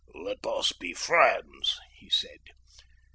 "Let us be friends," he said.